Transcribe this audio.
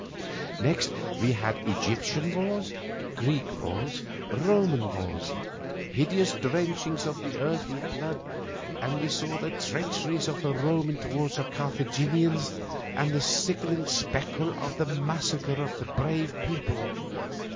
Next we had Egyptian wars, Greek wars, Roman wars, hideous drenchings of the earth with blood; and we saw the treacheries of the Romans toward the Carthaginians, and the sickening spectacle of the massacre of those brave people.